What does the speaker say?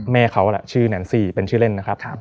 แม่เขาล่ะชื่อแนนซี่เป็นชื่อเล่นนะครับ